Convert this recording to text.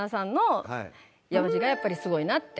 山路がやっぱりすごいなって。